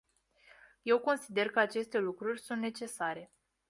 Eu consider că aceste lucruri sunt necesare.